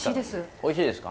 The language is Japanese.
おいしいですか？